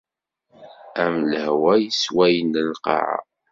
Am lehwa yesswayen lqaɛa.